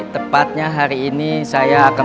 tepatnya hari ini saya akan